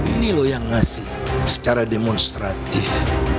ini loh yang ngasih secara demonstratif